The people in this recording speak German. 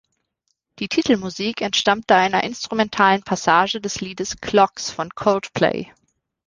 Die Titelmusik entstammte einer instrumentalen Passage des Liedes "Clocks" von Coldplay.